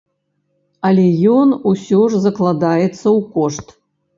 Але ён усё ж закладаецца ў кошт.